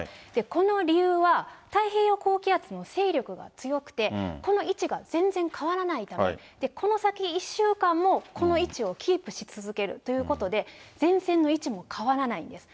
この理由は、太平洋高気圧の勢力が強くて、この位置が全然変わらないから、この先１週間もこの位置をキープし続けるということで、前線の位置も変わらないんです。